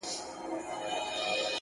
ه بيا دي په سرو سترگو کي زما ياري ده،